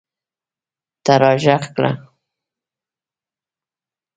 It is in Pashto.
ته راږغ کړه !